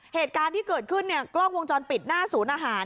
เหตุการณ์ที่เกิดขึ้นเนี่ยกล้องวงจรปิดหน้าศูนย์อาหาร